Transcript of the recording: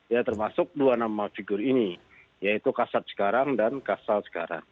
ya termasuk dua nama figur ini yaitu kasat sekarang dan kasal sekarang